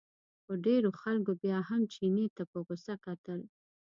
خو ډېرو خلکو بیا هم چیني ته په غوسه کتل.